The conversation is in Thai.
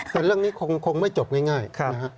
แต่เรื่องนี้คงไม่จบง่ายนะฮะ